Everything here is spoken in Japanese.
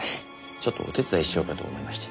ちょっとお手伝いしようかと思いまして。